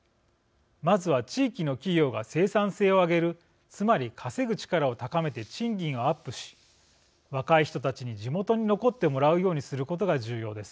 まずは地域の企業が生産性を上げるつまり、稼ぐ力を高めて賃金をアップし若い人たちに地元に残ってもらうようにすることが重要です。